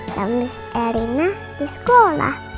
sambil reina di sekolah